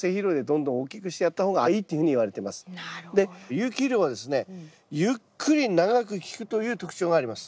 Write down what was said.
有機肥料はですねゆっくり長く効くという特徴があります。